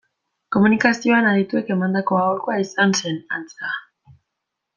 Komunikazioan adituek emandako aholkua izan zen, antza.